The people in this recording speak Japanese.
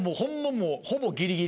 もうほぼギリギリ。